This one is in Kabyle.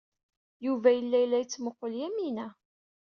Yuba yella la yettmuqqul Yamina.